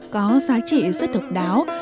có giá trị rất độc đáo